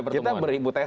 kita beribu tesa